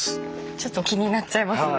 ちょっと気になっちゃいますね。